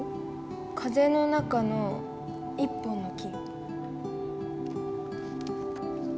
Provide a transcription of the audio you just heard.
「風の中の一本の木」？